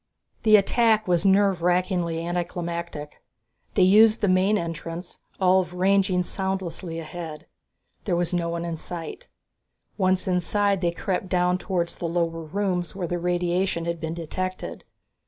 The attack was nerve rackingly anticlimactic. They used the main entrance, Ulv ranging soundlessly ahead. There was no one in sight. Once inside, they crept down towards the lower rooms where the radiation had been detected.